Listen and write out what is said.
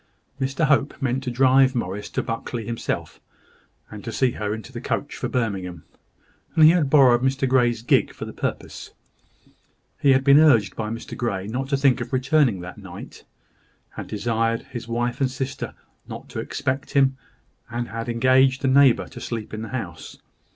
Mr Hope meant to drive Morris to Buckley himself, and to see her into the coach for Birmingham; and he had borrowed Mr Grey's gig for the purpose. He had been urged by Mr Grey not to think of returning that night, had desired his wife and sister not to expect him, and had engaged a neighbour to sleep in the house.